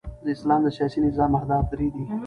د اسلام د سیاسي نظام اهداف درې دي.